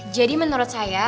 jadi menurut saya